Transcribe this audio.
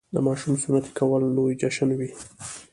د ماشوم سنتي کول لوی جشن وي.